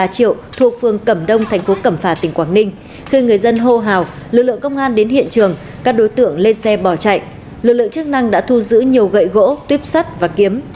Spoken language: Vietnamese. cơ quan công an trình diện trường các đối tượng lên xe bỏ chạy lực lượng chức năng đã thu giữ nhiều gậy gỗ tuyếp sắt và kiếm